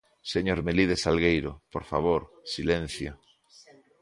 Señor Melide Salgueiro, por favor, silencio.